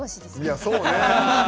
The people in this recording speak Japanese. いやそうね。